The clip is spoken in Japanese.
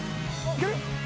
いける？